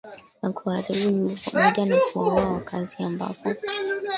na kuharibu nyumba pamoja na kuwaua wakaazi ambapo